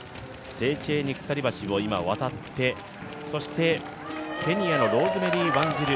セーチェーニ鎖橋を今渡ってそしてケニアのローズメリー・ワンジル